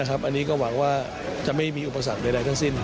อันนี้ก็หวังว่าจะไม่มีอุปสรรคใดทั้งสิ้น